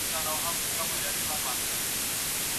تاسو کولای سئ خپل پرمختګ وګورئ.